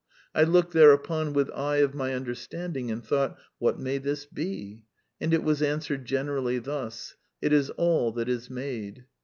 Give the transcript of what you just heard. I looked thereupon with eye of my understanding, and thought: What may this be? And it was answered generally thus: It is all that is made.